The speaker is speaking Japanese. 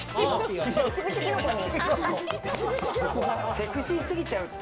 セクシーすぎちゃうって。